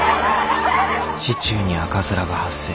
市中に赤面が発生。